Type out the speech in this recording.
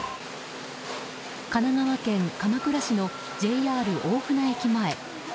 神奈川県鎌倉市のＪＲ大船駅前。